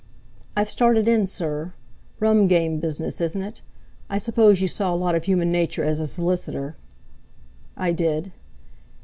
"I've started in, sir. Rum game, business, isn't it? I suppose you saw a lot of human nature as a solicitor." "I did."